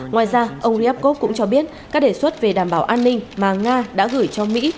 ngoài ra ông riyabkov cũng cho biết các đề xuất về đảm bảo an ninh mà nga đã gửi cho mỹ